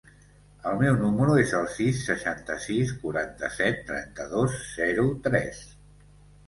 El meu número es el sis, seixanta-sis, quaranta-set, trenta-dos, zero, tres.